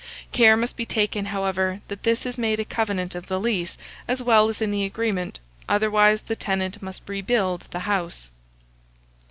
Care must be taken, however, that this is made a covenant of the lease, as well as in the agreement, otherwise the tenant must rebuild the house.